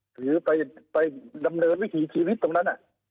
หรือไปดำเนินวิถีชีวิตตรงนั้น